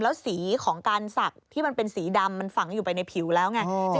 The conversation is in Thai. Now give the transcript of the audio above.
แล้วสีของการศักดิ์ที่มันเป็นสีดำมันฝังอยู่ไปในผิวแล้วไง